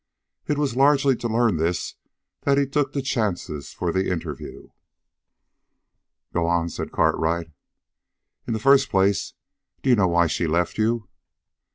It was largely to learn this that he took the chances for the interview. "Go on," said Cartwright. "In the first place, d'you know why she left you?"